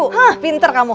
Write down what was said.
hah pinter kamu